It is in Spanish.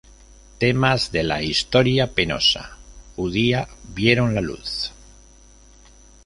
Temas de la "historia penosa" judía vieron la luz.